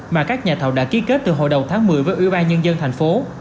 mà các nhà thầu đã ký kết từ hồi đầu tháng một mươi với ủy ban nhân dân thành phố